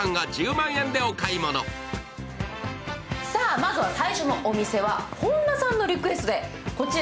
まず最初のお店は、本田さんのリクエストで＃